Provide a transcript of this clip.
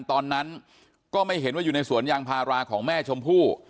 ตอนนั้นก็ไม่เห็นว่าอยู่ในสวนยางพาราของแม่ชมพู่